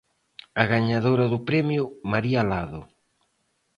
A gañadora do premio, María Lado.